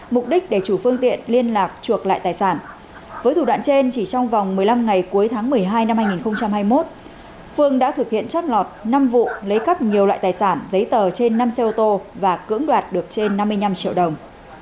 mục đích để chủ phương tiện liên lạc chuộc lại tài sản với thủ đoạn trên chỉ trong vòng một mươi năm ngày cuối tháng một mươi hai năm hai nghìn hai mươi một phương đã thực hiện chót lọt năm vụ lấy cắp nhiều loại tài sản giấy tờ trên năm xe ô tô và cưỡng đoạt được trên năm mươi năm triệu đồng